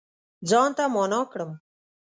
ځان ته معنا کړم